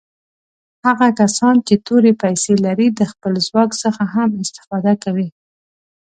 هغه کسان چې تورې پیسي لري د خپل ځواک څخه هم استفاده کوي.